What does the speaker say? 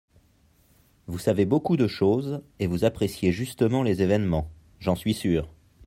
Vous savez beaucoup de choses, et vous appréciez justement les événements, j'en suis sûr.